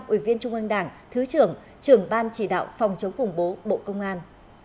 ủy viên trung ương đảng thứ trưởng trưởng ban chỉ đạo phòng chống khủng bố bộ công an